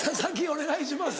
お願いします。